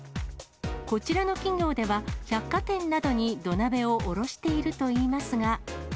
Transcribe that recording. こちらの企業では、百貨店などに土鍋を卸しているといいますが。